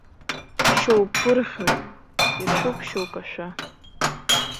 Шьоук гәырӷьоит, иршәуп шьоук ашәы.